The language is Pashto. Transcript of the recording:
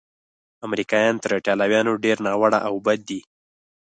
امریکایان تر ایټالویانو ډېر ناوړه او بد دي.